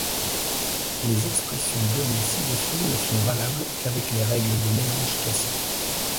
Les expressions données ci-dessous ne sont valables qu'avec les règles de mélange classiques.